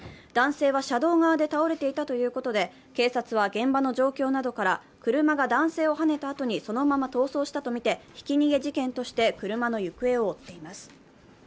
男性は車道側で倒れていたということで警察は現場の状況などから車が男性をはねたあとにそのまま逃走したとみてひき逃げ事件として車の行方を追っています。